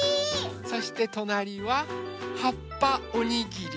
そしてとなりははっぱおにぎり。